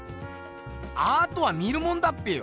アートは見るもんだっぺよ！